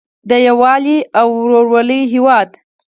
د یووالي او ورورولۍ هیواد.